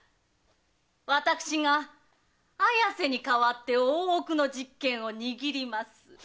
私が綾瀬に代わって大奥の実権を握ります。